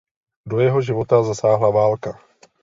Do jeho života zasáhla válka.